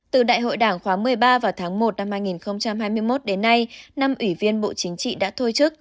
từ đại hội đảng khóa một mươi ba vào tháng một năm hai nghìn hai mươi một đến nay năm ủy viên bộ chính trị đã thôi chức